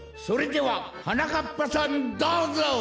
それでははなかっぱさんどうぞ！